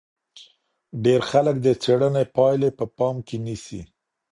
ډېر خلک د څېړنې پایلې په پام کې نیسي.